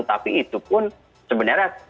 tapi itu pun sebenarnya